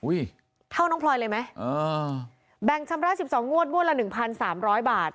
เท่าน้องพลอยเลยไหมอ่าแบ่งชำระสิบสองงวดงวดละหนึ่งพันสามร้อยบาท